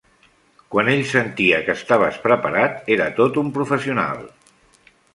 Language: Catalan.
Quan ell sentia que estaves preparat, era tot un professional.